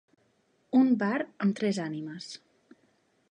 Un bar amb tres ànimes.